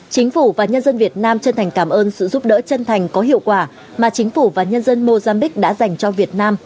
chính phủ và nhân dân việt nam chân thành cảm ơn sự giúp đỡ chân thành có hiệu quả mà chính phủ và nhân dân mozambiqu đã dành cho việt nam